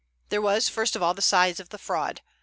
There was first of all the size of the fraud.